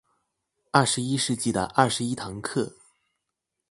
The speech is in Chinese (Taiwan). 二十一世紀的二十一堂課